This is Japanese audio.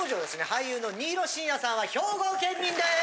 俳優の新納慎也さんは兵庫県民です！